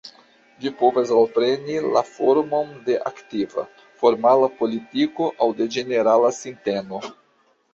Ĝi povas alpreni la formon de aktiva, formala politiko aŭ de ĝenerala sinteno.